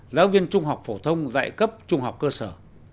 giáo viên trung học phổ thông dạy cấp trung học cơ sở